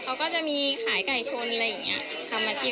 เขาก็จะมีขายไก่ชนอะไรอย่างนี้